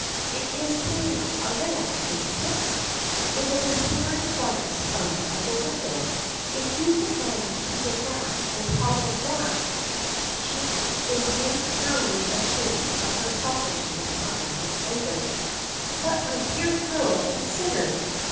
It is clearing a little, isn't it?" with a despairing glance out of the window. "If you could manage to get back and tell them that " She is made thoroughly ashamed of her selfishness a moment later. "But my dear girl, consider!